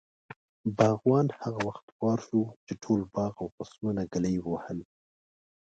باغوان هغه وخت خوار شو، چې ټول باغ او فصلونه ږلۍ ووهل.